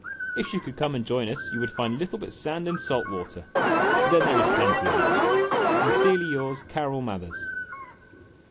If you should come and join us you would find little but sand and salt water ; but then there is plenty of each. Sincerely yours, CARROLL MATHERS.